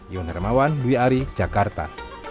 yon hermawan buihari jakarta